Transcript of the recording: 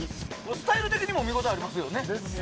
スタイル的にも見応えありますよね。